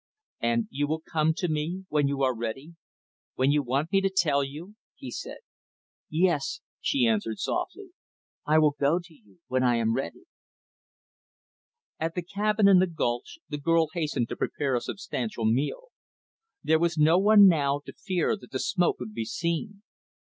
"And you will come to me when you are ready? When you want me to tell you?" he said. "Yes," she answered softly, "I will go to you when I am ready." At the cabin in the gulch, the girl hastened to prepare a substantial meal. There was no one, now, to fear that the smoke would be seen.